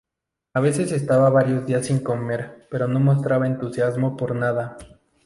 A veces estaba varios días sin comer pero no mostraba entusiasmo por nada.